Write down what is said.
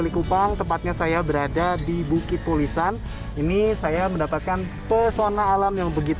likupang tempatnya saya berada di bukit tulisan ini saya mendapatkan pesona alam yang begitu